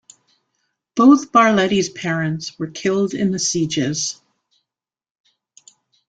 Both Barleti's parents were killed in the sieges.